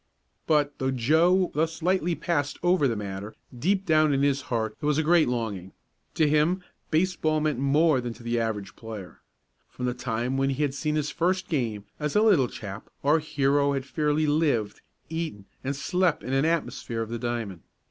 But, though Joe thus lightly passed over the matter, deep down in his heart there was a great longing. To him baseball meant more than to the average player. From the time when he had seen his first game, as a little chap, our hero had fairly lived, eaten and slept in an atmosphere of the diamond.